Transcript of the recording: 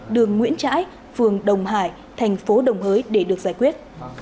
đường nguyễn trãi phường đồng hải thành phố đồng hới để được giải quyết